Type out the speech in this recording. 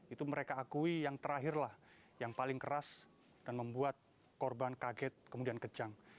itu mereka akui yang terakhirlah yang paling keras dan membuat korban kaget kemudian kejang